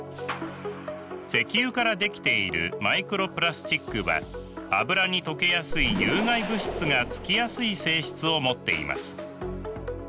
石油からできているマイクロプラスチックは油に溶けやすい有害物質が付きやすい性質を持っています。